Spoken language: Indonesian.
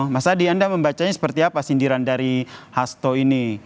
mas adi anda membacanya seperti apa sindiran dari hasto ini